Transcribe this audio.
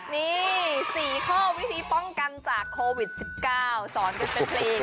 นี่๔ข้อวิธีป้องกันจากโควิด๑๙สอนกันเป็นเพลง